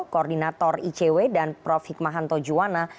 koordinator icw dan prof hikmahanto juwana